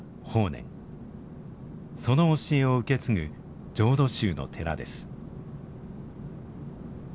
その教えを受け継ぐ浄土宗の寺です。